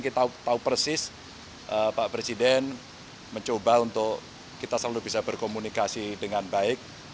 kita tahu persis pak presiden mencoba untuk kita selalu bisa berkomunikasi dengan baik